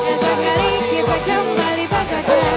esok hari kita kembali bekerja